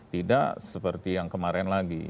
tidak seperti yang kemarin lagi